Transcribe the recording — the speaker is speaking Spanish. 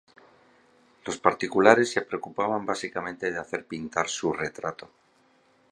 Los particulares se preocupaban básicamente de hacer pintar su retrato.